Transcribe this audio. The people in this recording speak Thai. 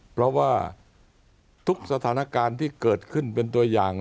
เพราะว่าทุกสถานการณ์ที่เกิดขึ้นเป็นตัวอย่าง